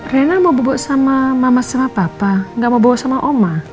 rena mau bawa sama mama sama papa gak mau bawa sama oma